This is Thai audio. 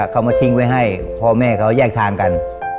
เขามาทิ้งไว้ให้พ่อแม่เขาแยกทางกัน